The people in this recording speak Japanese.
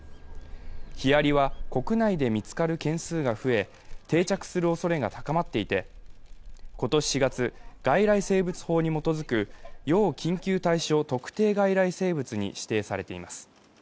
ヒアリは、国内で見つかる件数が増え、定着するおそれが高まっていて、今年４月、外来生物法に基づく要緊急対処特定外来生物に指定されています。